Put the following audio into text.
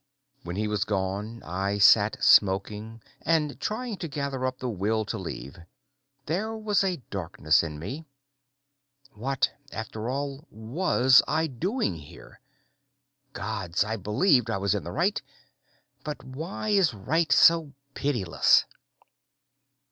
When he was gone, I sat smoking and trying to gather up the will to leave. There was a darkness in me. What, after all, was I doing here? Gods, I believed I was in the right, but why is right so pitiless?